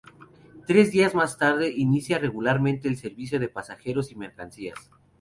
Tres días más tarde, inicia regularmente el servicio de pasajeros y mercancías.